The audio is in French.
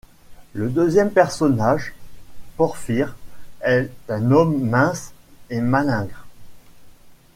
Le deuxième personnage, Porphyre est un homme mince et malingre.